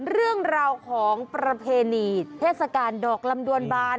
เรื่องราวของประเพณีเทศกาลดอกลำดวนบาน